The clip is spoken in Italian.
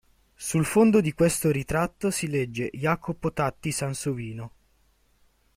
Sul fondo di questo ritratto si legge: "Jacopo Tatti Sansovino".